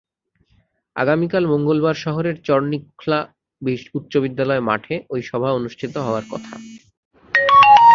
আগামীকাল মঙ্গলবার শহরের চরনিখলা উচ্চবিদ্যালয় মাঠে ওই সভা অনুষ্ঠিত হওয়ার কথা।